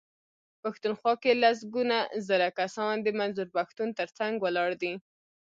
پښتونخوا کې لسګونه زره کسان د منظور پښتون ترڅنګ ولاړ دي.